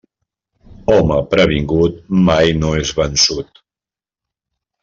Home previngut mai no és vençut.